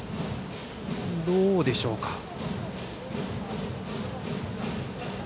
どうでしょうか。